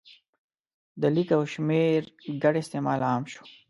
د لیک او شمېر ګډ استعمال عام شو.